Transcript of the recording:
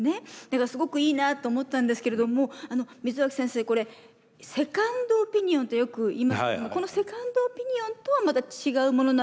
だからすごくいいなと思ったんですけれども溝脇先生これセカンドオピニオンとよく言いますけれどもこのセカンドオピニオンとはまた違うものなんでしょうか？